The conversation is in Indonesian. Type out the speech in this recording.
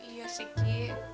iya sih ki